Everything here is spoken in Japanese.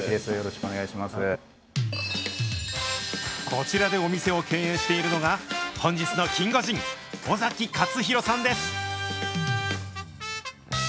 こちらでお店を経営しているのが、本日のキンゴジン、尾崎勝浩さんです。